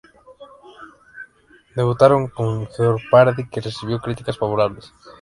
Debutaron con "Jeopardy", que recibió críticas favorables.